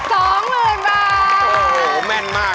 ๒หมื่นบาท